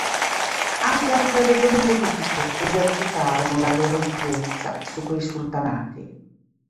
Anche altre regioni politiche esercitarono la loro influenza su quei sultanati.